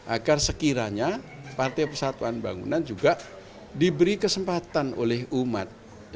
agar sekiranya partai persatuan bangunan juga diberi kesempatan oleh umat